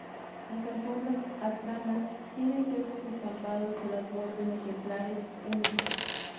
Las alfombras afganas, tienen ciertos estampados que las vuelven ejemplares únicos.